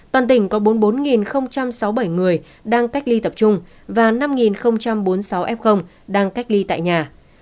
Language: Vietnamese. toàn tỉnh có bốn mươi bốn sáu mươi bảy người đang cách ly tập trung và năm bốn mươi sáu f đang cách ly tại nhà